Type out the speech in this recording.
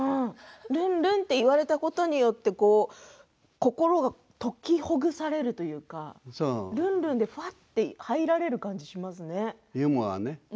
ルンルンと言われたことで心が解きほぐされるというかルンルンでふわっと入られる感じがしますね。